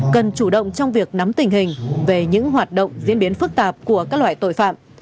cần chủ động trong việc nắm tình hình về những hoạt động diễn biến phức tạp của các loại tội phạm